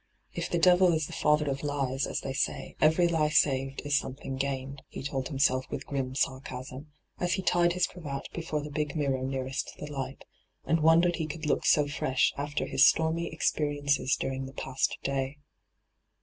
* If the devil is the father of has, as they say, every he saved is something gained,' he told himself with grim sarcasm, as he tied his cravat before the big mirror nearest the light, and wondered he could look so fresh after his stormy experiences during the past day.